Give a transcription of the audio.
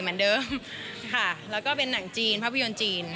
เหมือนเดิมค่ะแล้วก็เป็นหนังจีนภาพยนตร์จีน